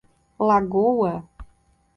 Lagoa